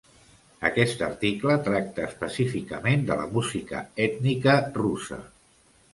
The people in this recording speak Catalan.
Aquest article tracta específicament de la música ètnica russa.